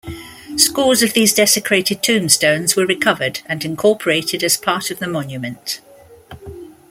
Scores of these desecrated tombstones were recovered and incorporated as part of the monument.